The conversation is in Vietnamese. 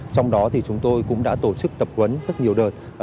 trong đó chúng tôi cũng đã tổ chức tập quấn rất nhiều đợt